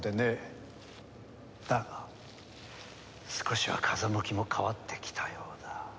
だが少しは風向きも変わってきたようだ。